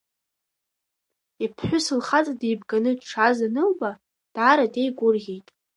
Иԥҳәыс лхаҵа деибганы дшааз анылба, даара деигәырӷьеит.